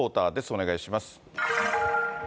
お願いします。